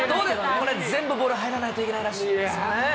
これ、全部ボール入らないといけないらしいんですね。